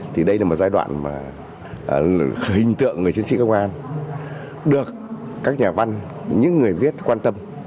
thì đây là một giai đoạn mà hình tượng người chiến sĩ công an được các nhà văn những người viết quan tâm